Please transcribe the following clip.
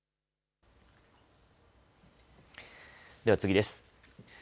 では次です。